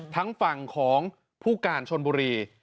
ทั้งฝั่งของผู้การชนบุรี